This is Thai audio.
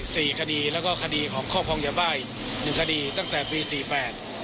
คดีแล้วก็คดีของครอบครองยาบ้ายหนึ่งคดีตั้งแต่ปีสี่แปด